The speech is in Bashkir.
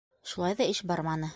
Шулай ҙа эш барманы.